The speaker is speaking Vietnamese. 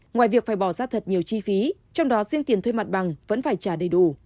ngoài việc phải bỏ ra thật nhiều chi phí trong đó riêng tiền thuê mặt bằng vẫn phải trả đầy đủ